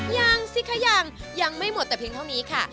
ยังสิคะยังยังไม่หมดแต่เพียงเท่านี้ค่ะ